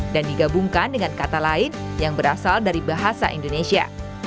dan digabungkan dengan kata lain yang berasal dari bahasa indonesia